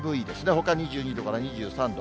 ほか２２度から２３度。